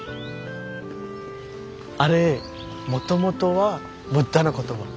あれもともとはブッダの言葉。